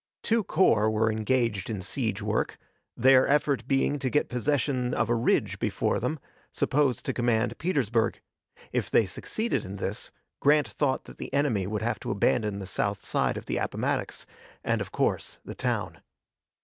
Two corps were engaged in siege work, their effort being to get possession of a ridge before them, supposed to command Petersburg; if they succeeded in this, Grant thought that the enemy would have to abandon the south side of the Appomattox, and, of course, the town.